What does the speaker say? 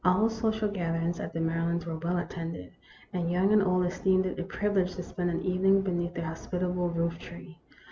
All social gatherings at the Mary lands' were well attended, and young and old esteemed it a privilege to spend an evening beneath their hospitable roof tree.